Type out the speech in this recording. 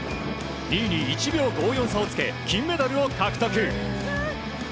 ２位に１秒５４差をつけ金メダルを獲得。